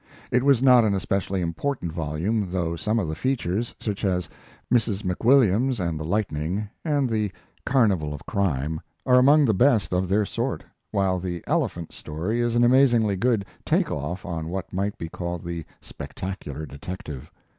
It was not an especially important volume, though some of the features, such as "Mrs. McWilliams and the Lightning" and the "Carnival of Crime," are among the best of their sort, while the "Elephant" story is an amazingly good take off on what might be called the spectacular detective.